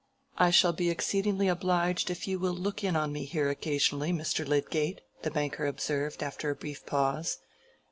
"I shall be exceedingly obliged if you will look in on me here occasionally, Mr. Lydgate," the banker observed, after a brief pause.